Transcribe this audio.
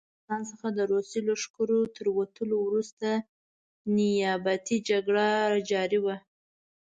له افغانستان څخه د روسي لښکرو تر وتلو وروسته نیابتي جګړه جاري وه.